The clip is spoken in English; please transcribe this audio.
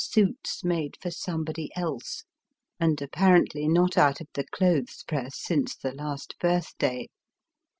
suits made for somebody else, and apparently not out of the clothes press since the last birth day.